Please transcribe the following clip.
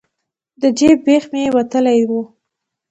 د جیب بیخ به مې وتلی و.